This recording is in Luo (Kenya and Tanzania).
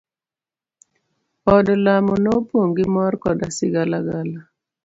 Od lamo nopong' gi mor koda sigalagala.